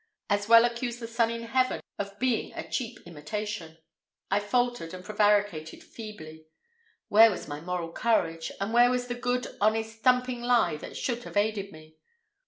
As well accuse the sun in heaven of being a cheap imitation. I faltered and prevaricated feebly. Where was my moral courage, and where was the good, honest, thumping lie that should have aided me?